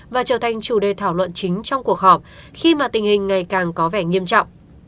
và trở thành chủ đề thảo luận chính trong cuộc họp khi mà tình hình ngày càng có vẻ nghiêm trọng